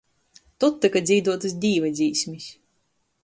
Tod tyka dzīduotys "Dīva dzīsmis".